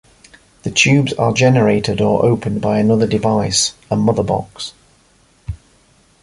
The tubes are generated or opened by another device, a Mother Box.